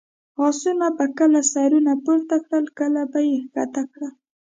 اسونو به کله سرونه پورته کړل، کله به یې کښته کړل.